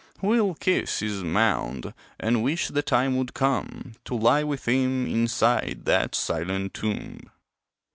Who'll kiss his mound, and wish the time would come To lie with him inside that silent tomb?